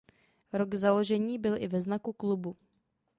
Rok založení byl i ve znaku klubu.